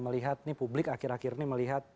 melihat nih publik akhir akhir ini melihat